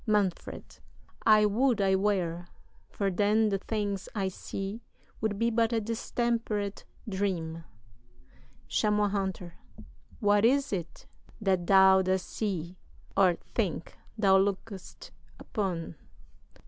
"MANFRED. I would I were for then the things I see Would be but a distempered dream. "CHAMOIS HUNTER. What is it? That thou dost see, or think thou look'st upon?